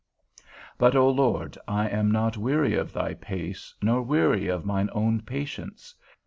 But O Lord, I am not weary of thy pace, nor weary of mine own patience.